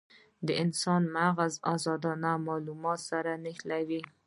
د انسان مغز ازادانه مالومات سره نښلوي.